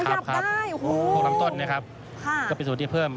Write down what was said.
ครับกำลังต้นก็ไปสู่ดินเพิ่ม